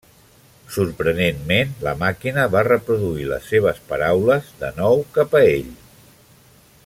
Sorprenentment la màquina va reproduir les seves paraules de nou cap a ell.